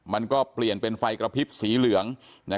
มันก็เปลี่ยนเป็นไฟกระพริบสีเหลือง